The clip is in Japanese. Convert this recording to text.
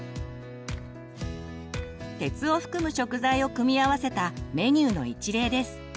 鉄を含む食材を組み合わせたメニューの一例です。